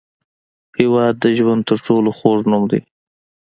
هېواد د ژوند تر ټولو خوږ نوم دی.